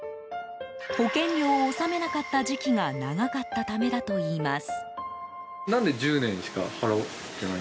保険料を納めなかった時期が長かったためだといいます。